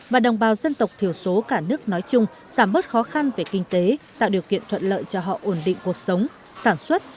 và đồng bào dân tộc thiểu số cả nước nói chung giảm bớt khó khăn về kinh tế tạo điều kiện thuận lợi cho họ ổn định cuộc sống sản xuất